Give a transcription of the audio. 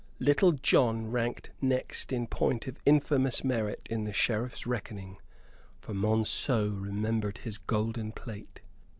Little John ranked next in point of infamous merit in the Sheriff's reckoning, for Monceux remembered his golden plate.